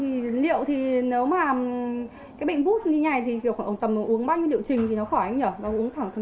dạ vâng thì liệu thì nếu mà cái bệnh vút như thế này thì khoảng tầm uống bao nhiêu liệu trình thì nó khỏi anh nhở nó uống thẳng tới ra bao nhiêu tháng thì nó khỏi anh